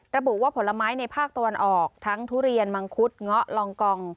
ระบุว่าผลไม้ในภาคตะวันออกทั้งทุเรียนมังคุดเงาะลองกอง